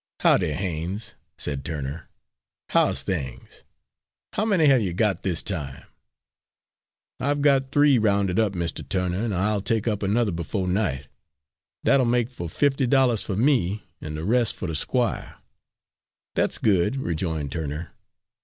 "Howdy, Haines," said Turner, "How's things? How many have you got this time?" "I've got three rounded up, Mr. Turner, an' I'll take up another befo' night. That'll make fo' fifty dollars fer me, an' the res' fer the squire." "That's good," rejoined Turner.